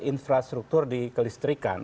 infrastruktur di kelistrikan